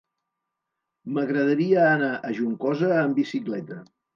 M'agradaria anar a Juncosa amb bicicleta.